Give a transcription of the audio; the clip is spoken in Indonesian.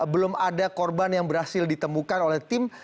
belum ada korban yang berhasil ditemukan oleh tim